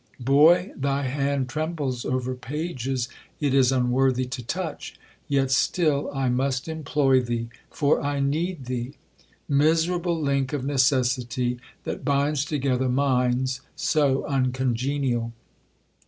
Boy, thy hand trembles over pages it is unworthy to touch, yet still I must employ thee, for I need thee. Miserable link of necessity, that binds together minds so uncongenial!